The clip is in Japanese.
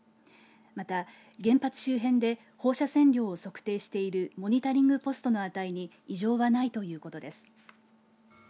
また、原発周辺で放射線量を測定しているモニタリングポストの値に異常はないということです。